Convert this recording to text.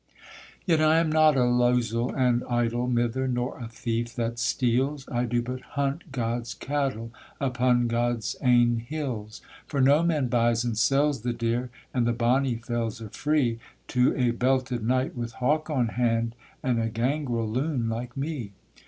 Yet I am not a losel and idle, mither, nor a thief that steals; I do but hunt God's cattle, upon God's ain hills; For no man buys and sells the deer, and the bonnie fells are free To a belted knight with hawk on hand, and a gangrel loon like me.